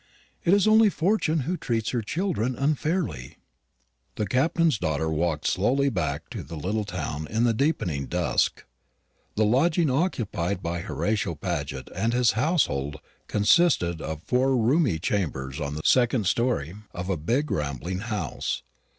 It is only Fortune who treats her children unfairly." The Captain's daughter walked slowly back to the little town in the deepening dusk. The lodging occupied by Horatio Paget and his household consisted of four roomy chambers on the second story of a big rambling house.